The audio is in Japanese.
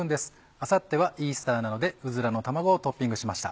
あさってはイースターなのでうずらの卵をトッピングしました。